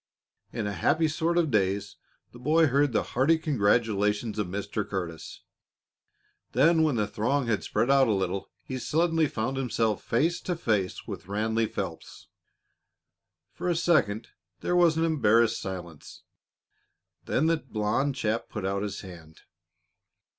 In a happy sort of daze the boy heard the hearty congratulations of Mr. Curtis. Then, when the throng had spread out a little, he suddenly found himself face to face with Ranleigh Phelps. For a second there was an embarrassed silence; then the blond chap put out his hand.